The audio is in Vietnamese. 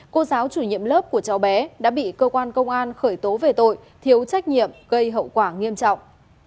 cô giáo chủ nhiệm lớp của cháu bé đã bị cơ quan công an khởi tố về tội thiếu trách nhiệm gây hậu quả nghiêm trọng